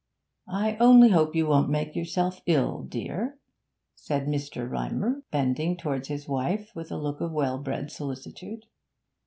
'I only hope you won't make yourself ill, dear,' said Mr. Rymer, bending towards his wife with a look of well bred solicitude.